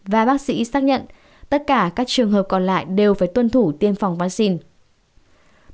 và bác sĩ xác nhận tất cả các trường hợp còn lại đều phải tuân thủ tiêm phòng vaccine